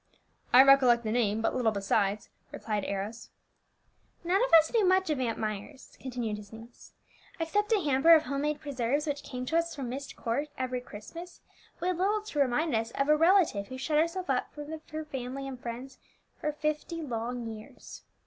"I recollect the name, but little besides," replied Arrows. "None of us knew much of Aunt Myers," continued his niece. "Except a hamper of home made preserves which came to us from Myst Court every Christmas, we had little to remind us of a relative who shut herself up from her family and friends for fifty long years."